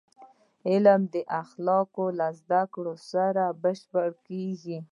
علم د اخلاقو له زدهکړې سره بشپړېږي.